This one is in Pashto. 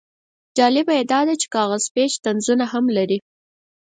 جالبه یې دا دی چې کاغذ پیچ طنزونه هم لري.